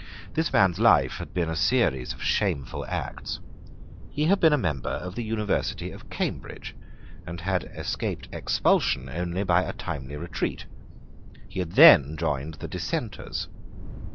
This man's life had been a series of shameful acts. He had been a member of the University of Cambridge, and had escaped expulsion only by a timely retreat. He had then joined the Dissenters.